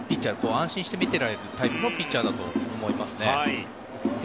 安心して見ていられるタイプのピッチャーだと思います。